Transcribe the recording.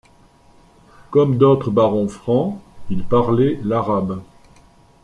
Comme d'autres barons francs, il parlait l'arabe.